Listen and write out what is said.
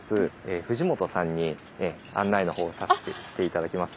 藤本さんに案内のほうをして頂きます。